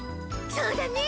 そうだね！